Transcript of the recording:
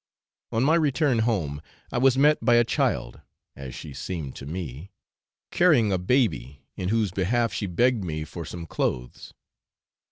On my return home, I was met by a child (as she seemed to me) carrying a baby, in whose behalf she begged me for some clothes.